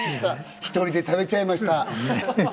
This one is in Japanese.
１人で食べちゃいました。